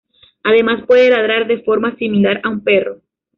Además, puede ladrar de forma similar a un perro.